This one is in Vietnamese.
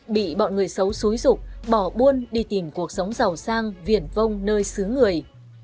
bị bọn người xấu xúi rục bỏ buôn đi tìm cuộc sống giàu sang viển vong nơi xứ người